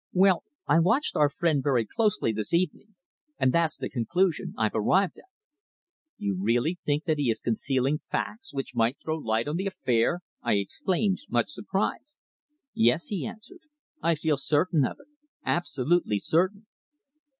"Well, I watched our friend very closely this evening, and that's the conclusion I've arrived at." "You really think that he is concealing facts which might throw light on the affair?" I exclaimed, much surprised. "Yes," he answered, "I feel certain of it absolutely certain."